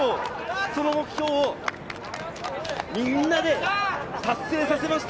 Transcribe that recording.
その目標をみんなで達成させました。